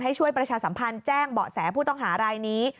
ช่วยประชาสัมพันธ์แจ้งเบาะแสผู้ต้องหารายนี้